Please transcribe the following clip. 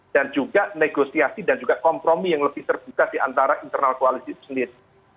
dan juga negosiasi dan juga kompromi yang lebih terbuka diantara internal koalisi itu sendiri